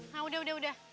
nah udah udah udah